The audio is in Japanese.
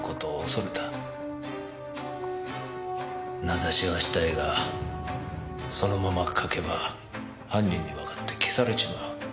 名指しはしたいがそのまま書けば犯人にわかって消されちまう。